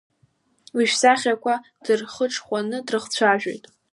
Уи шәсахьақәа дырхыҽхәаны дрыхцәажәон.